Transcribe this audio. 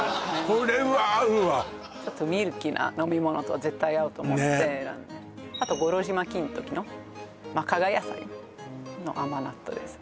これは合うわちょっとミルキーな飲み物と絶対合うと思って選んであと五郎島金時のまっ加賀野菜の甘納豆です